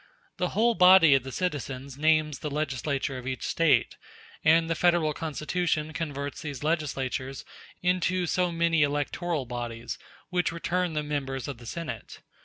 The whole body of the citizens names the legislature of each State, and the Federal Constitution converts these legislatures into so many electoral bodies, which return the members of the Senate.